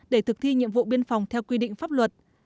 để thực thi nhiệm vụ biên phòng theo quy định pháp luật